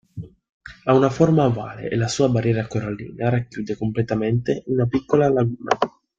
Ha una forma ovale e la sua barriera corallina racchiude completamente una piccola laguna.